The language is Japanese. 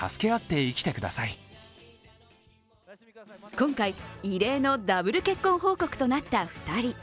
今回、異例のダブル結婚報告となった２人。